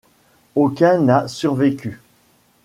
Aucun n'a survécu.